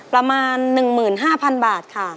ประมาณ๑หมื่น๕๐๐๐บาทค่ะ